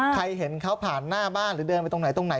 ใครเห็นเขาผ่านหน้าบ้านหรือเดินไปตรงไหนตรงไหน